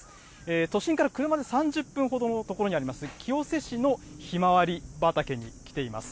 都心から車で３０分ほどの所にあります、清瀬市のひまわり畑に来ています。